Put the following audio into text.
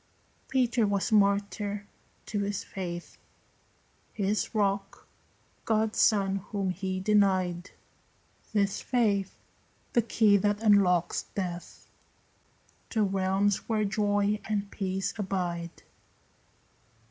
Peter was martyr to his faith; His rock, God's son whom he denied; This faith the key that unlocks death To realms where joy and peace abide.